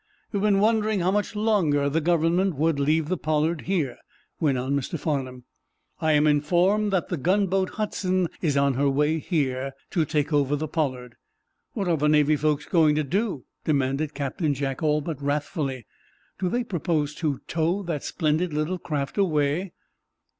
"You've been wondering how much longer the Government would leave the 'Pollard' here," went on Mr. Farnum. "I am informed that the gunboat 'Hudson' is on her way here, to take over the 'Pollard.'" "What are the Navy folks going to do?" demanded Captain Jack, all but wrathfully. "Do they propose to tow that splendid little craft away?"